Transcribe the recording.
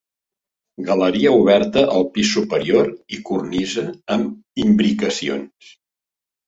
Galeria oberta al pis superior i cornisa amb imbricacions.